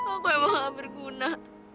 aku emang gak berguna